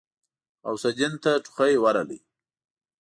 غوث الدين ته ټوخی ورغی.